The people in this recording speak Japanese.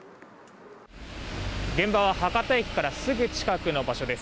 現場は博多駅からすぐ近くの場所です。